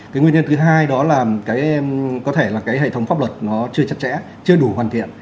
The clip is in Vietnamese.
cái nguyên nhân thứ hai đó là có thể là cái hệ thống pháp luật nó chưa chặt chẽ chưa đủ hoàn thiện